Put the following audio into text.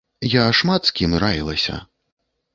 Я шмат з кім раілася.